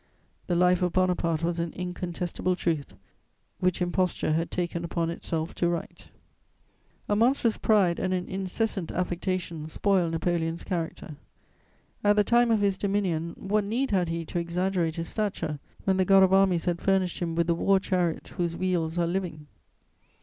The life of Bonaparte was an incontestable truth, which imposture had taken upon itself to write. * [Sidenote: Pride and affectation.] A monstrous pride and an incessant affectation spoil Napoleon's character. At the time of his dominion, what need had he to exaggerate his stature, when the God of Armies had furnished him with the war chariot "whose wheels are living"?